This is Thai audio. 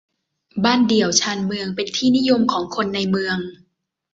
บ้านเดี่ยวชานเมือง เป็นที่นิยมของคนในเมือง